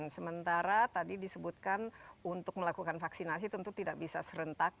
sementara tadi disebutkan untuk melakukan vaksinasi tentu tidak bisa serentak